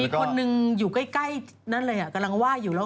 มีคนนึงอยู่ใกล้นั่นเลยกำลังไหว้อยู่